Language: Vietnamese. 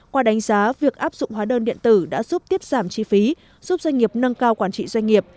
qua đánh giá việc áp dụng hóa đơn điện tử đã giúp tiết giảm chi phí giúp doanh nghiệp nâng cao quản trị doanh nghiệp